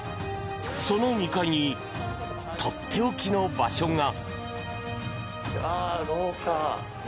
その２階にとっておきの場所が。